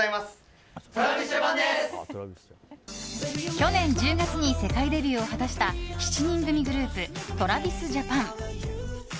去年１０月に世界デビューを果たした７人組グループＴｒａｖｉｓＪａｐａｎ。